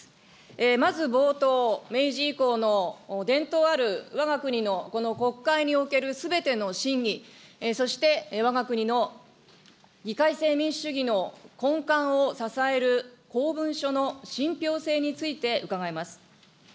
まず冒頭、明治以降の伝統あるわが国のこの国会におけるすべての審議、そしてわが国の議会制民主主義の根幹を支える公文書の信ぴょう性について伺います。